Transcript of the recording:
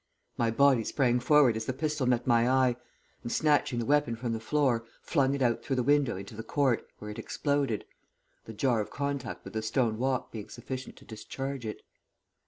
My body sprang forward as the pistol met my eye, and, snatching the weapon from the floor, flung it out through the window into the court, where it exploded, the jar of contact with the stone walk being sufficient to discharge it.